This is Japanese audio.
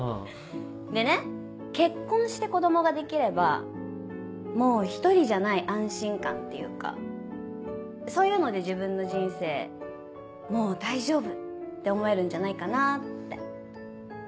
でね結婚して子供ができればもう１人じゃない安心感っていうかそういうので自分の人生もう大丈夫って思えるんじゃないかなって。